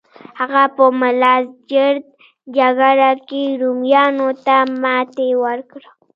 هغه په ملازجرد جګړه کې رومیانو ته ماتې ورکړه.